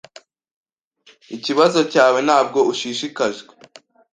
Ikibazo cyawe ntabwo ushishikajwe